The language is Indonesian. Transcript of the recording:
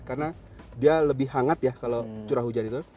karena dia lebih hangat ya kalau curah hujan itu